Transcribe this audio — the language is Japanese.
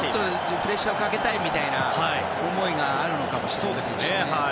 プレッシャーをかけたいというような思いがあるのかもしれないです。